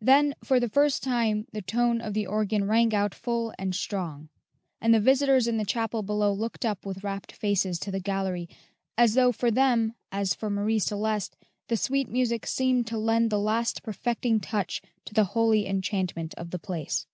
Then for the first time the tone of the organ rang out full and strong; and the visitors in the chapel below looked up with rapt faces to the gallery, as though for them, as for Marie Celeste, the sweet music seemed to lend the last perfecting touch to the holy enchantment of the place.